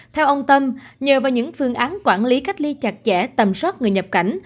theo ông tâm nhờ vào những phương án quản lý cách ly chặt chẽ tầm soát người nhập cảnh